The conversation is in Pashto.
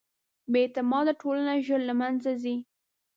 بېاعتماده ټولنه ژر له منځه ځي.